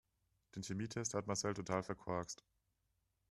Den Chemietest hat Marcel total verkorkst.